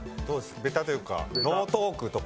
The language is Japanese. ベタというかノートークとか？